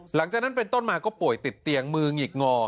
หลังจากนั้นเป็นต้นมาก็ป่วยติดเตียงมือหงิกงอ